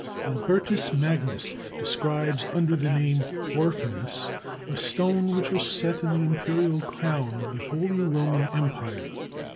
] Albertus Magnus describes under the name orphanus a stone which was set in the imperial crown of the Holy Roman Empire.